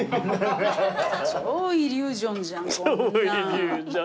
超イリュージョンじゃんこんなん。